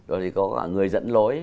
rồi thì có người dẫn lối